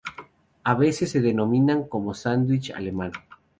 A veces se denomina como sándwich alemán.